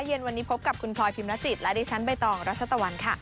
เย็นวันนี้พบกับคุณพลอยพิมรจิตและดิฉันใบตองรัชตะวันค่ะ